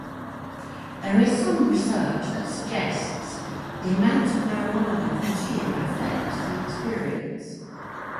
There is some research that suggests the amount of marijuana consumed affects the experience.